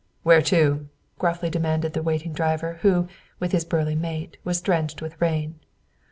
"Where to?" gruffly demanded the waiting driver, who, with his burly mate, was drenched with rain.